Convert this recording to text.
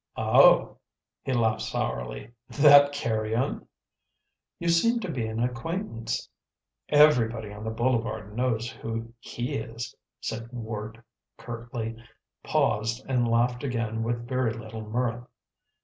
"Oh!" He laughed sourly. "That carrion?" "You seem to be an acquaintance." "Everybody on the boulevard knows who he is," said Ward curtly, paused, and laughed again with very little mirth.